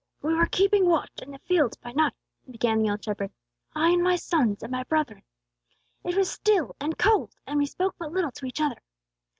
"We were keeping watch in the fields by night," began the old shepherd, "I and my sons and my brethren. It was still and cold, and we spoke but little to each other.